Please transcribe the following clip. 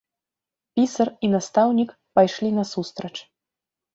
Пісар і настаўнік пайшлі насустрач.